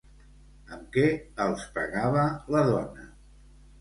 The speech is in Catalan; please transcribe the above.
Amb què els pegava la dona?